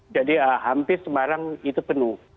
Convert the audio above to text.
jadi hampir semarang itu penuh